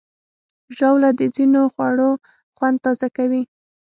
ژاوله د ځینو خوړو خوند تازه کوي.